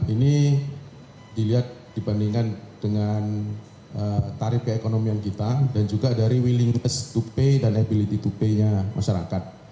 ini dilihat dibandingkan dengan tarif keekonomian kita dan juga dari willingness to pay dan ability to pay nya masyarakat